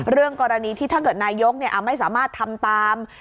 กรณีที่ถ้าเกิดนายกไม่สามารถทำตาม